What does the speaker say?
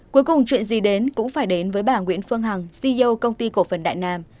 cuối cùng chuyện gì đến cũng phải đến với bà nguyễn phương hằng ceo công ty cổ phần đại nam